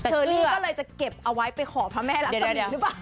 เชอรี่ก็เลยจะเก็บเอาไว้ไปขอพระแม่รักษณ์หรือเปล่า